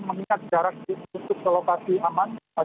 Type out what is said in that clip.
memiliki jarak untuk ke lokasi aman cukup jauh